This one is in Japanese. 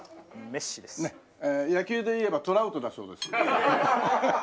野球でいえばトラウトだそうです。